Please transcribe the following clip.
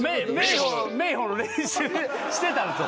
メイホの練習してたんですよ